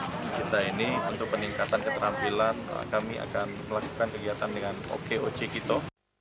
kami akan melakukan kegiatan dengan oke ocek itu